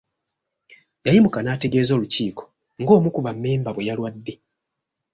Yayimuka n'ategeeza olukiiko nga omu ku bammemba bwe yalwadde.